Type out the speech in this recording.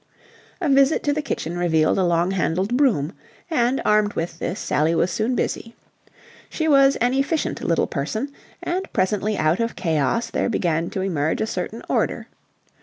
A visit to the kitchen revealed a long handled broom, and, armed with this, Sally was soon busy. She was an efficient little person, and presently out of chaos there began to emerge a certain order.